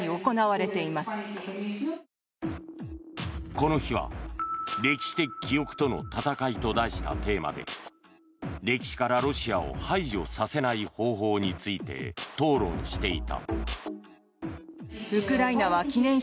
この日は歴史的記憶との戦いと題したテーマで歴史からロシアを排除させない方法について討論していた。